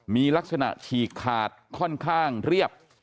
มีลักษณะฉีกขาดค่อนข้างเรียบ